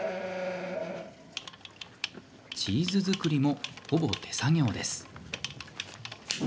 チーズ造りも、ほぼ手作業です。